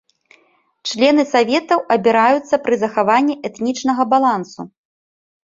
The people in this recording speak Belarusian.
Члены саветаў абіраюцца пры захаванні этнічнага балансу.